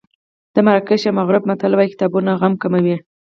د مراکش یا مغرب متل وایي کتابونه غم کموي.